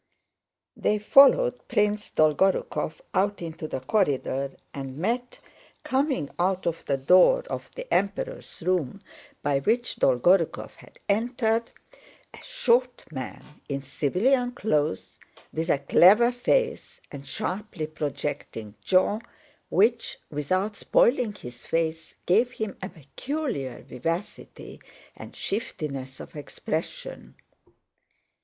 They followed Prince Dolgorúkov out into the corridor and met—coming out of the door of the Emperor's room by which Dolgorúkov had entered—a short man in civilian clothes with a clever face and sharply projecting jaw which, without spoiling his face, gave him a peculiar vivacity and shiftiness of expression.